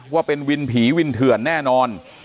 ว่าเป็นวินผีวินเถื่อนแน่นอน